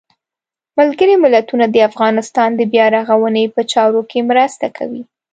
ملګري ملتونه د افغانستان د بیا رغاونې په چارو کې مرسته کوي.